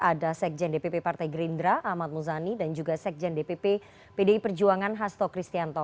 ada sekjen dpp partai gerindra ahmad muzani dan juga sekjen dpp pdi perjuangan hasto kristianto